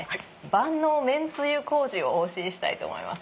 万能めんつゆ麹をお教えしたいと思います。